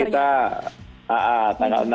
jadi kita tanggal enam